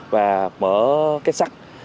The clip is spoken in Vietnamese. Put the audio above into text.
và mở két sắt